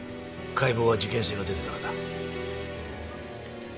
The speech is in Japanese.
解剖は事件性が出てからだ。